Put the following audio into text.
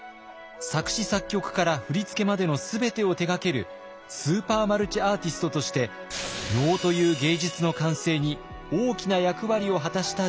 作詞作曲から振り付けまでの全てを手がけるスーパー・マルチ・アーティストとして能という芸術の完成に大きな役割を果たした人物。